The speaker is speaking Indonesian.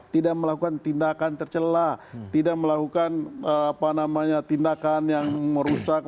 tidak melakukan tindakan tercelah tidak melakukan tindakan yang merusak